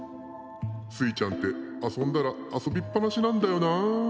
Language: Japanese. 「スイちゃんってあそんだらあそびっぱなしなんだよなあ」。